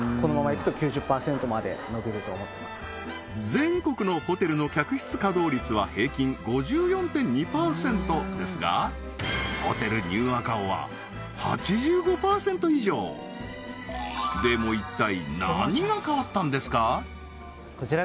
全国のホテルの客室稼働率は平均５４．２％ですがホテルニューアカオは８５％以上でもうわ